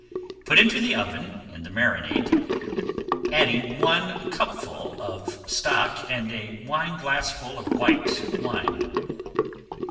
Put into the oven in the marinade, adding one cupful of stock and a wineglassful of white wine.